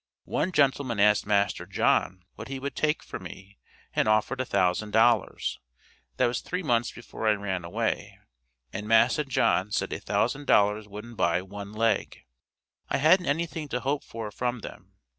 One gentleman asked master John what he would take for me, and offered a thousand dollars; that was three months before I ran away, and massa John said a thousand dollars wouldn't buy one leg. I hadn't anything to hope for from them.